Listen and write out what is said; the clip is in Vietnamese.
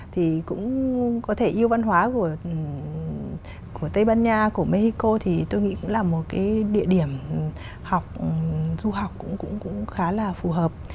thì cũng có thể yêu văn hóa của tây ban nha của mexico thì tôi nghĩ cũng là một cái địa điểm học du học cũng khá là phù hợp